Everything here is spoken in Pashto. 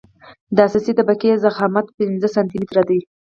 د اساسي طبقې ضخامت پنځه سانتي متره دی